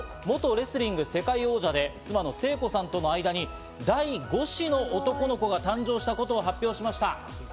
昨日、元レスリング世界王者で妻の聖子さんとの間に第５子の男の子が誕生したことを発表しました。